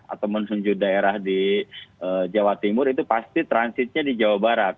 atau menuju daerah di jawa timur itu pasti transitnya di jawa barat